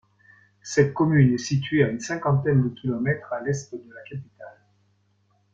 Cette commune est située à une cinquantaine de kilomètres à l'est de la capitale.